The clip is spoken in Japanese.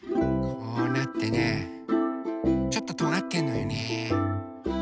こうなってねちょっととがってんのよね。